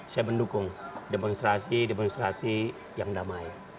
saya mendukung demonstrasi demonstrasi yang damai